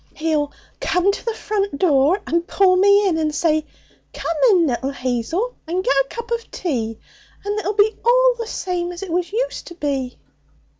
'He'll come to the front door and pull me in and say, "Come in little Hazel, and get a cup of tea." And it'll be all the same as it was used to be.'